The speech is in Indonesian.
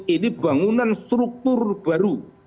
ini bangunan struktur baru